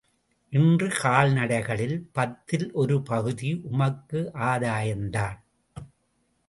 இன்று கால்நடைகளில் பத்தில் ஒரு பகுதி உமக்கு ஆதாயம்தான்.